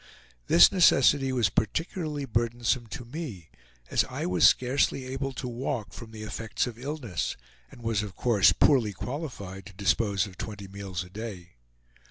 This necessity was particularly burdensome to me, as I was scarcely able to walk, from the effects of illness, and was of course poorly qualified to dispose of twenty meals a day.